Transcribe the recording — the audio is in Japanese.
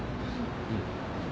うん。